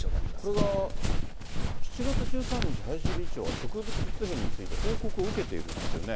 これは７月１３日、林理事長が植物片について報告を受けているんですよね。